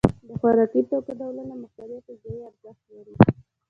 د خوراکي توکو ډولونه مختلف غذایي ارزښت لري.